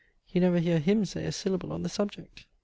You never hear HIM say a syllable on the subject."